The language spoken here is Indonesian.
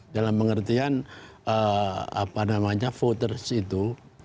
dalam pengertian apa namanya voters itu